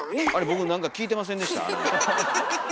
僕なんか聞いてませんでした？